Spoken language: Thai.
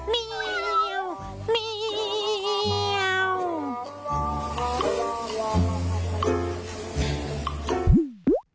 เมียวเมียว